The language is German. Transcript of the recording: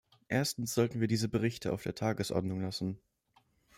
Erstens sollten wir diese Berichte auf der Tagesordnung lassen.